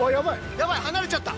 ヤバい離れちゃった。